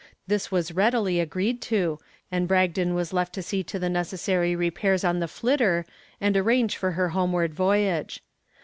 This was readily agreed to and Bragdon was left to see to the necessary repairs on the "Flitter" and arrange for her homeward voyage.